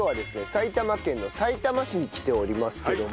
埼玉県のさいたま市に来ておりますけども。